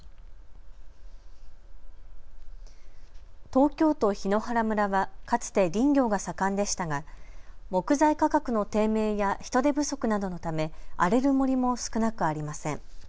東京都檜原村はかつて林業が盛んでしたが木材価格の低迷や人手不足などのため荒れる森も少なくありません。